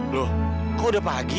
loh kok udah pagi